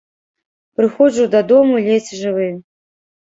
Прыходжу дадому ледзь жывы.